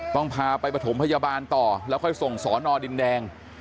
ต้องพาไปประถมพยาบาลต่อแล้วค่อยส่งสอนอดินแดง